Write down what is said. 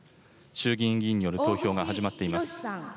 衆議院議員による投票が始まっています。